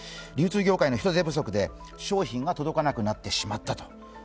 流通業界の人手不足で商品が届かなくなってしまったと。